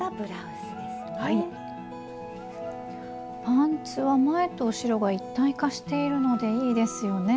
パンツは前と後ろが一体化しているのでいいですよね。